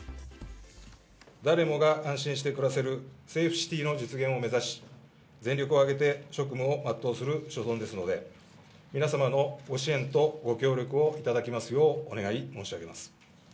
誰もが安心して暮らせるセーフシティの実現を目指し、全力を挙げて職務を全うする所存ですので、皆様のご支援とご協力を頂きますよう、お願い申し上げます。